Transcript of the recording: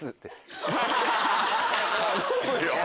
頼むよ！